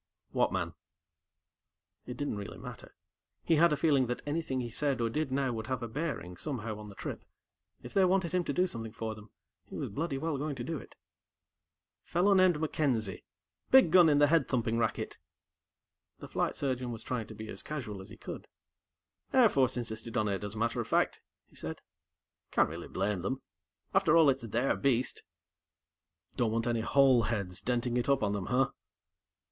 "What man?" It didn't really matter. He had a feeling that anything he said or did now would have a bearing, somehow, on the trip. If they wanted him to do something for them, he was bloody well going to do it. "Fellow named MacKenzie. Big gun in the head thumping racket." The Flight Surgeon was trying to be as casual as he could. "Air Force insisted on it, as a matter of fact," he said. "Can't really blame them. After all, it's their beast." "Don't want any hole heads denting it up on them, huh?"